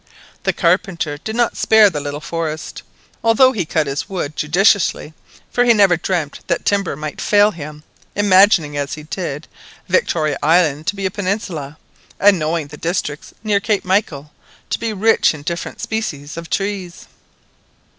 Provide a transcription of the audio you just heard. The carpenter did not spare the little forest, although he cut his wood judiciously; for he never dreamt that timber might fail him, imagining, as he did, Victoria Island to be a peninsula, and knowing the districts near Cape Michael to be rich in different species of trees.